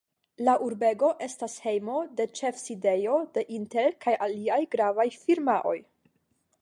La urbego estas hejmo de ĉefsidejo de Intel kaj aliaj gravaj firmaoj.